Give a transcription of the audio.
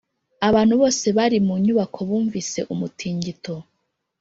abantu bose bari mu nyubako bumvise umutingito.